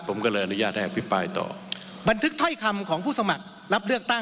ผมก็เลยอนุญาตให้มีปลายต่อ